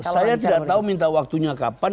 saya tidak tahu minta waktunya kapan